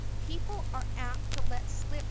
People are apt to let slip .'